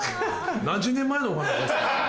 何十年前のお話ですか？